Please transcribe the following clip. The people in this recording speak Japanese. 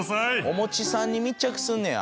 おもちさんに密着すんねや。